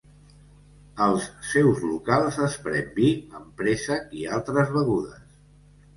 Als seus locals es pren vi amb préssec i altres begudes.